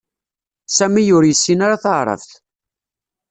Sami ur yessin ara Taɛrabt